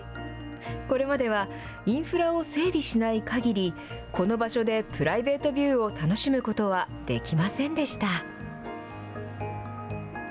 これまではインフラを整備しないかぎり、この場所でプライベートビューを楽しむことはできませんでした。